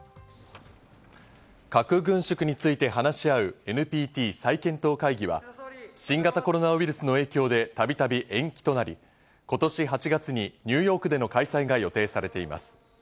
核軍縮について話し合うＮＰＴ再検討会議は新型コロナウイルスの影響でたびたび延期となり、今年８月にニューヨークでの開催が予定されています。